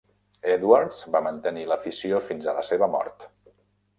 Edwards va mantenir l'afició fins a la seva mort.